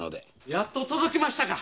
やっと届きましたか。